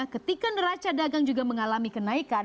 ketika neraca dagang juga mengalami kenaikan